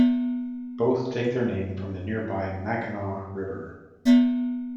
Both take their name from the nearby Mackinaw River.